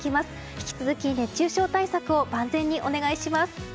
引き続き熱中症対策を万全にお願いします。